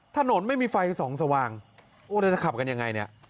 ถนนไม่มีไฟส่องสว่างโอ้แล้วจะขับกันยังไงเนี่ย